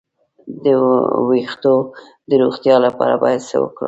د ویښتو د روغتیا لپاره باید څه وکړم؟